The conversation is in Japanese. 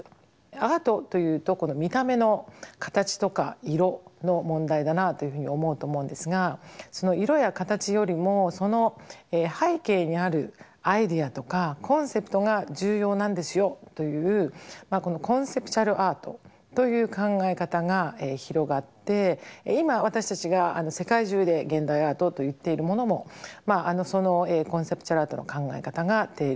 アートというとこの見た目の形とか色の問題だなというふうに思うと思うんですがその色や形よりもその背景にあるアイデアとかコンセプトが重要なんですよというコンセプチャルアートという考え方が広がって今私たちが世界中で現代アートと言っているものもそのコンセプチャルアートの考え方が底流にあります。